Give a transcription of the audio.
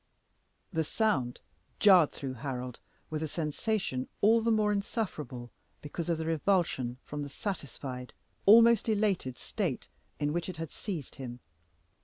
The sound jarred through Harold with a sensation all the more insufferable because of the revulsion from the satisfied, almost elated, state in which it had seized him.